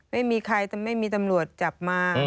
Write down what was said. ไม่มีใครไม่มีตำรวจจับมา